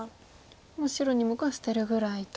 もう白２目は捨てるぐらいと。